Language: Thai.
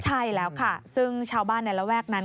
ใช่แล้วค่ะซึ่งชาวบ้านในระแวกนั้น